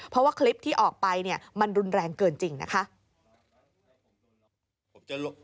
เพราะว่าคลิปที่ออกไปเนี่ยมันรุนแรงเกินจริงนะคะ